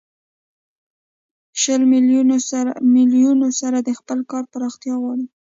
شلو میلیونو سره د خپل کار پراختیا غواړي